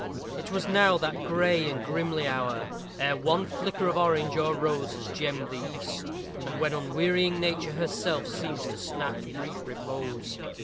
It was now that gray and grimly hour ere one flicker of orange or rose has gemmed the east, and when unwearying Nature herself seems to snatch brief repose.